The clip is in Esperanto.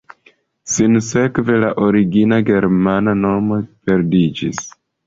Sinsekve la origina germana nomo perdiĝis.